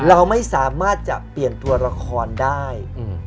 เราไม่สามารถจะเปลี่ยนตัวละครได้